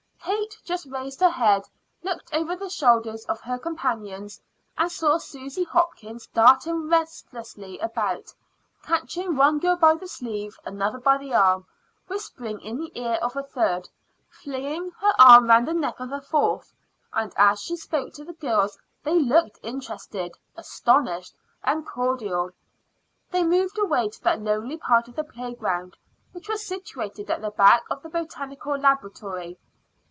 Kate just raised her head, looked over the shoulders of her companions, and saw Susy Hopkins darting restlessly about, catching one girl by the sleeve, another by the arm, whispering in the ear of a third, flinging her arm round the neck of a fourth; and as she spoke to the girls they looked interested, astonished, and cordial. They moved away to that lonely part of the playground which was situated at the back of the Botanical Laboratory.